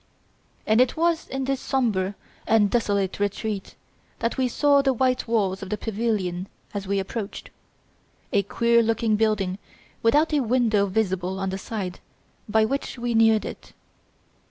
And it was in this sombre and desolate retreat that we saw the white walls of the pavilion as we approached. A queer looking building without a window visible on the side by which we neared it.